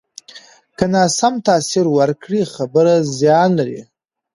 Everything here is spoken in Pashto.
که ناسم تاثر ورکړې، خبره زیان لري